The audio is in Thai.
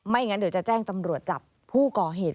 งั้นเดี๋ยวจะแจ้งตำรวจจับผู้ก่อเหตุ